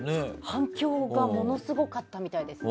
反響がものすごかったみたいです。